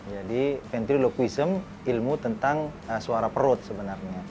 jadi ventriloquism ilmu tentang suara perut sebenarnya